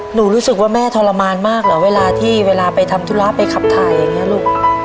รู้สึกว่าแม่ทรมานมากเหรอเวลาที่เวลาไปทำธุระไปขับถ่ายอย่างนี้ลูก